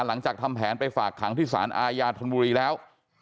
หลังจากทำแผนไปฝากขังที่สารอาญาธนบุรีแล้ว